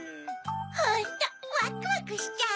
ホントワクワクしちゃう！